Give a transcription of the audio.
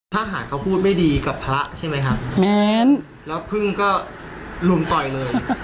ทหารเขาพูดไม่ดีกับพระใช่ไหมครับแม้นแล้วพึ่งก็ลุมต่อยเลย